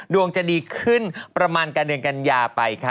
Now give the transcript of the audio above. ดวงจะดีขึ้นประมาณการเดือนกันยาไปค่ะ